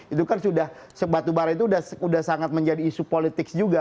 itu kan sudah sep batubara itu sudah sangat menjadi isu politik juga